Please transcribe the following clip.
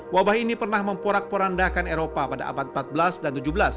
wabah ini pernah memporak porandakan eropa pada abad empat belas dan tujuh belas